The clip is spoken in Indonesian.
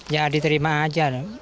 ya diterima aja